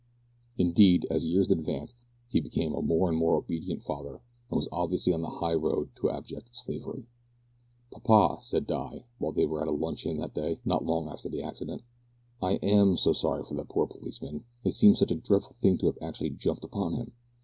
Indeed, as years advanced, he became a more and more obedient father, and was obviously on the high road to abject slavery. "Papa," said Di, while they were at luncheon that day, not long after the accident, "I am so sorry for that poor policeman. It seems such a dreadful thing to have actually jumped upon him!